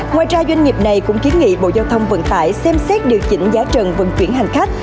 ngoài ra doanh nghiệp này cũng kiến nghị bộ giao thông vận tải xem xét điều chỉnh giá trần vận chuyển hành khách